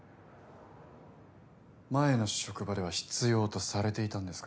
前の職場では必要とされていたんですか？